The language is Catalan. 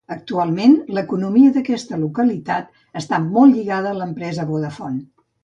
Actualment l'economia d'aquesta localitat està molt lligada a l'empresa Vodafone.